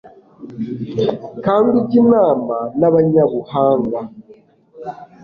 kandi ujye inama n'abanyabuhanga